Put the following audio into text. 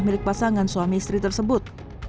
milik pasangan suami istri tersebut